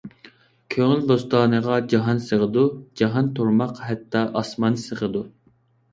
كۆڭۈل بوستانىغا جاھان سىغىدۇ، جاھان تۇرماق ھەتتا ئاسمان سىغىدۇ.